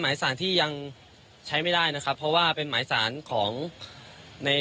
หมายสารที่ยังใช้ไม่ได้นะครับเพราะว่าเป็นหมายสารของใน